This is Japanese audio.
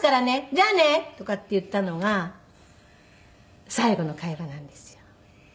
じゃあね」とかって言ったのが最後の会話なんですよ。